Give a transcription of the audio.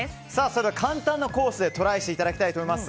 それでは、簡単なコースでトライしていただきたいと思います。